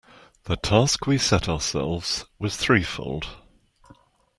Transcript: The task we set ourselves was threefold.